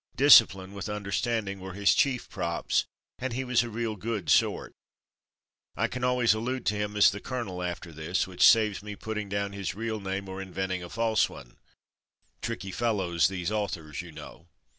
Discipline with understanding were his chief props, and he was a real good sort. I can always allude to him as ''the colonel'' after this, which saves me putting down his real name or inventing a false one (tricky fellows these authors, you know).